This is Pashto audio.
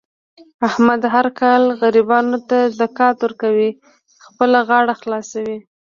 احمد هر کال غریبانو ته زکات ورکوي. خپله غاړه خلاصوي.